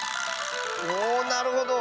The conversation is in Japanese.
おおなるほど。